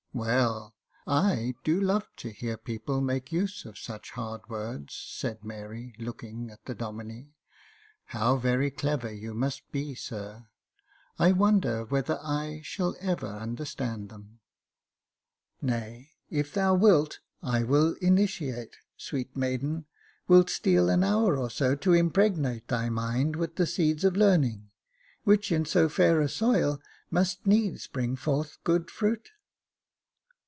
" Well, I do love to hear people make use of such hard words," said Mary, looking at the Domine. " How very clever you must be, sir ! I wonder whether I shall ever understand them ?"" Nay, if thou wilt, I will initiate — sweet maiden, wilt steal an hour or so to impregnate thy mind with the seeds of learning, which in so fair a soil must needs bring forth good fruit